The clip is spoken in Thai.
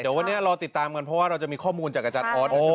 เดี๋ยววันนี้รอติดตามกันเพราะว่าเราจะมีข้อมูลจากอาจารย์ออสนะครับ